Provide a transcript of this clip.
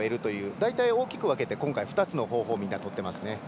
大体大きく分けて今回、２つの方法をみんなとっていますね。